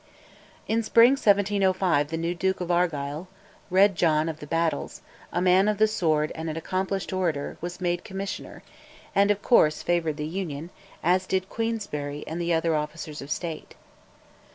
In spring 1705 the new Duke of Argyll, "Red John of the Battles," a man of the sword and an accomplished orator, was made Commissioner, and, of course, favoured the Union, as did Queensberry and the other officers of State.